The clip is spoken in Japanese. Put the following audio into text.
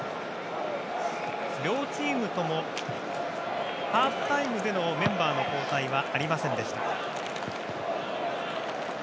両チームともハーフタイムでのメンバーの交代はありませんでした。